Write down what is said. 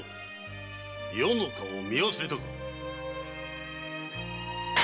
余の顔を見忘れたか？